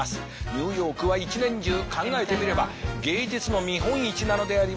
ニューヨークは一年中考えてみれば芸術の見本市なのであります。